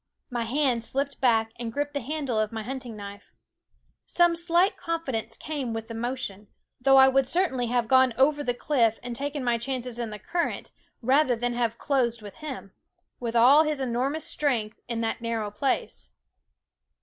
My hand slipped back and gripped the handle of my hunting knife. Some slight confidence came with the motion ; though I would certainly have gone over the cliff and taken my chances in the current, rather than have closed with him, with all his enormous strength, in that nar row place.